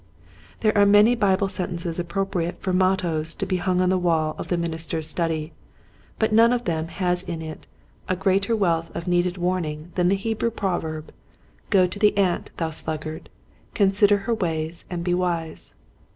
There are many Bible sen tences appropriate for mottoes to be hung on the wall of the minister's study, but not one them has in it a greater The Foremost of the Demons. 43 wealth of needed warning than the Hebrew proverb —•' Go to the ant, thou sluggard, Consider her ways and be wise."